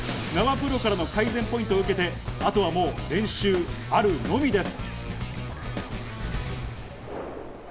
プロからの改善ポイントを受けて、後はもう練習あるのみです。